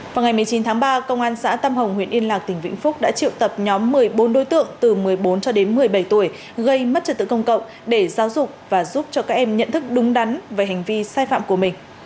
vào ngày một mươi chín tháng ba công an xã tâm hồng huyện yên lạc tỉnh vĩnh phúc đã triệu tập nhóm một mươi bốn đối tượng từ một mươi bốn cho đến một mươi bảy tuổi gây mất trật tự công cộng để giáo dục và giúp cho các em nhận thức đúng đắn về hành vi sai phạm của mình